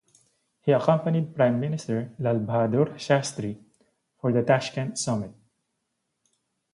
He accompanied Prime Minister Lal Bahadur Shastri for the Tashkent summit.